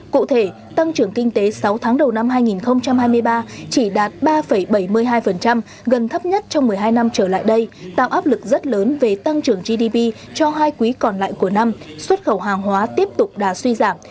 cụ thể tăng trưởng kinh tế sáu tháng đầu năm hai nghìn hai mươi ba chỉ đạt ba bảy mươi hai gần thấp nhất trong một mươi hai năm trở lại đây tạo áp lực rất lớn về tăng trưởng gdp cho hai quý còn lại của năm xuất khẩu hàng hóa tiếp tục đã suy giảm